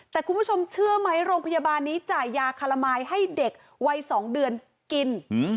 แต่คุณผู้ชมเชื่อไหมโรงพยาบาลนี้จ่ายยาคารามายให้เด็กวัย๒เดือนกิน